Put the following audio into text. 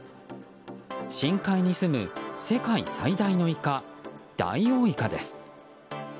深海にすむ世界最大のイカダイオウイカです。